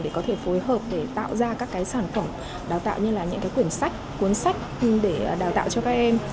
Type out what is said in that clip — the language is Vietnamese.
để có thể phối hợp để tạo ra các cái sản phẩm đào tạo như là những cái quyển sách cuốn sách để đào tạo cho các em